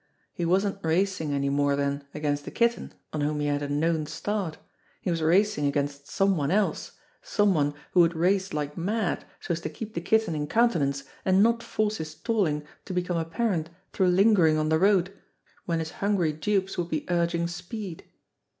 He wasn't racing any more then against the Kitten on whom he had a known start. He was racing against "some one" else, some one who would race like mad so as to keep the Kitten in countenance and not force his stalling to become apparent through lingering on the road when his hungry dupes would be urging speed.